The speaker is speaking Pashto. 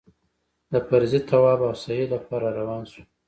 د فرضي طواف او سعيې لپاره راروان شوو.